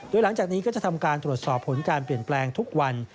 โดยหลังจากนี้ก็จะทำการตรวจสอบผลการเปลี่ยนแปลงทุกวัน